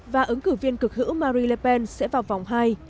và ứng cử viên cực hữu marie le pen sẽ vào vòng hai